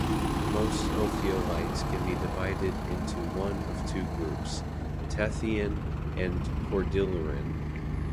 Most ophiolites can be divided into one of two groups: Tethyan and Cordilleran.